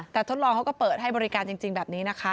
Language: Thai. แต่ทดลองเขาก็เปิดให้บริการจริงแบบนี้นะคะ